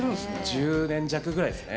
１０年弱ぐらいですね。